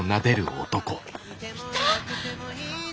いた。